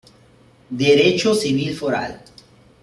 Derecho civil foral